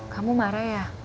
kamu marah ya